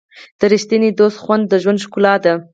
د ریښتیني دوست خوند د ژوند ښکلا ده.